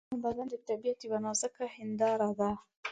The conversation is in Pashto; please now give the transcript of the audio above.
د انسان بدن د طبیعت یوه نازکه هنداره ده.